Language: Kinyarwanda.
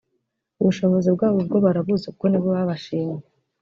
ubushobozi bwabo bwo barabuzi kuko nibo babashimye